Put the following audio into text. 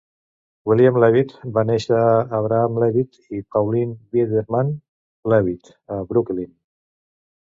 William Levitt va néixer a Abraham Levitt i Pauline Biederman Levitt a Brooklyn.